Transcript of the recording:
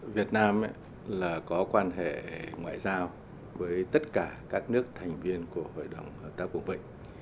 việt nam có quan hệ ngoại giao với tất cả các nước thành viên của hội đồng hợp tác vùng vịnh